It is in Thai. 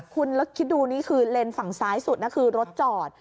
คุณแล้วคิดดูนี่คือเลนส์ฝั่งซ้ายสุดนะคือรถจอด